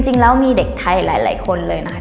จริงแล้วมีเด็กไทยหลายคนเลยนะคะ